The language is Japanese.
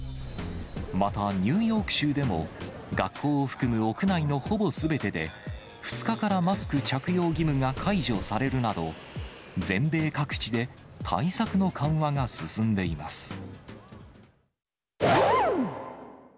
またニューヨーク州でも、学校を含む屋内のほぼすべてで、２日からマスク着用義務が解除されるなど、全米各地で対策の緩和が進んでいます。